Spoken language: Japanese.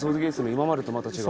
今までとまた違う。